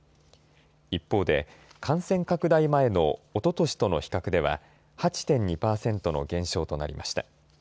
一方で感染拡大前のおととしとの比較では８．２％の減少となりました。